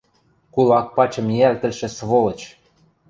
Кулак пачым ниӓлтӹлшӹ сволочь!..